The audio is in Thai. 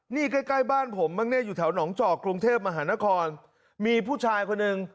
นี่ใกล้ใกล้บ้านผมบ้างเนี่ยอยู่แถวหนองจอกกรุงเทพมหานครมีผู้ชายคนหนึ่ง